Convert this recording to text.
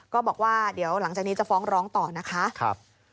ก็บอกว่าเดี๋ยวหลังจากนี้จะฟ้องร้องต่อนะคะ